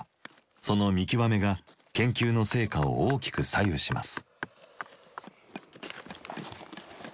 その見極めが研究の成果を大きく左右します。